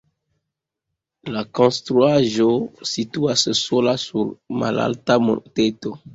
La konstruaĵo situas sola sur malalta monteto.